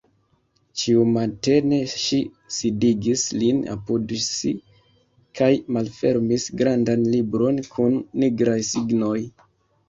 Ĉiumatene ŝi sidigis lin apud si kaj malfermis grandan libron kun nigraj signoj.